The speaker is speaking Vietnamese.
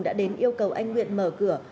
đã đến yêu cầu anh nguyện mở cửa